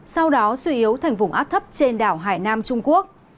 sau đó suy yếu thành vùng áp thấp trên đảo hải nam trung quốc